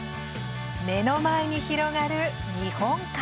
目の前に広がる日本海。